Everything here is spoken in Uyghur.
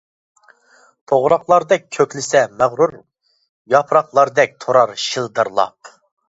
توغراقلاردەك كۆكلىسە مەغرۇر، ياپراقلاردەك تۇرار شىلدىرلاپ.